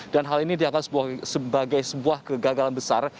dan hal ini dianggap sebagai sebuah kegagalan besar